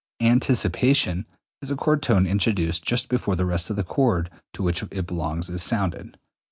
The anticipation is a chord tone introduced just before the rest of the chord to which it belongs is sounded.